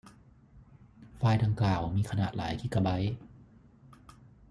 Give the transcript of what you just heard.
ไฟล์ดังกล่าวมีขนาดหลายกิกะไบต์